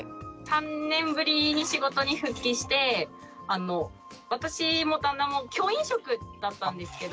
３年ぶりに仕事に復帰して私も旦那も教員職だったんですけど。